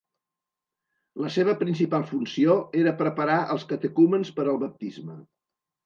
La seva principal funció era preparar els catecúmens per al baptisme.